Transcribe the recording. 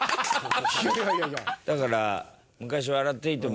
だから昔『笑っていいとも！』